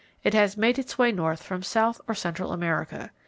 It has made its way north from South or Central America.